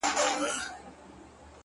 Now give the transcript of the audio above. ورته ور چي وړې په لپو کي گورگورې-